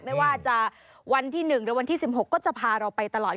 ไม่ว่าจะวันที่๑หรือวันที่๑๖ก็จะพาเราไปตลอด